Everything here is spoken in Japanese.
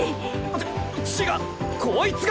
ち違っこいつが。